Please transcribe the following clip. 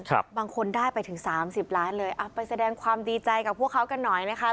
บางคนได้ไปถึงสามสิบล้านเลยอ่ะไปแสดงความดีใจกับพวกเขากันหน่อยนะคะ